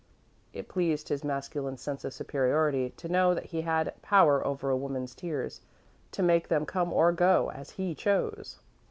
It pleased his masculine sense of superiority to know that he had power over a woman's tears to make them come or go, as he chose.